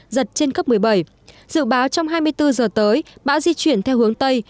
giật trên cấp một mươi bảy dự báo trong hai mươi bốn giờ tới bão di chuyển theo hướng tây